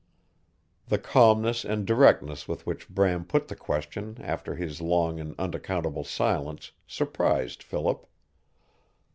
The calmness and directness with which Bram put the question after his long and unaccountable silence surprised Philip.